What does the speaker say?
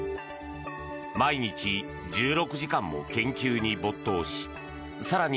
毎日、１６時間も研究に没頭し更に